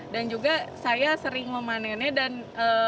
dan juga saya sering memanennya dan juga